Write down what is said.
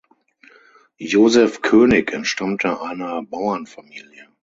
Joseph König entstammte einer Bauernfamilie.